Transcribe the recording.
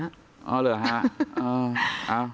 อ๋อเหรอฮะ